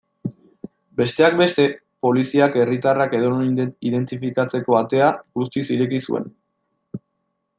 Besteak beste, poliziak herritarrak edonon identifikatzeko atea guztiz ireki zuen.